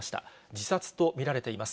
自殺と見られています。